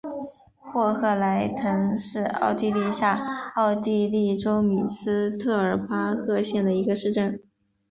霍赫莱滕是奥地利下奥地利州米斯特尔巴赫县的一个市镇。